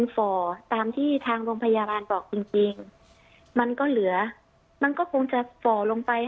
ฝ่อตามที่ทางโรงพยาบาลบอกจริงจริงมันก็เหลือมันก็คงจะฝ่อลงไป